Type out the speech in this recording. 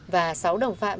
và sáu đồng phạm